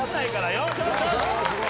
よしよし。